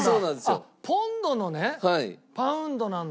あっポンドのねパウンドなんだ。